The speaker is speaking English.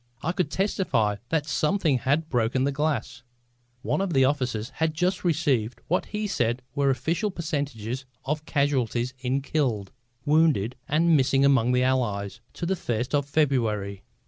I could testify that something had broken the glass! One of the officers had just received what he said were official percentages of casualties in killed, wounded and missing among the Allies, to the first of February.